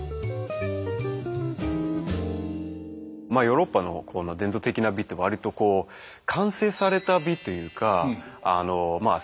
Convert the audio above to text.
ヨーロッパの伝統的な美って割とこう完成された美というかまあ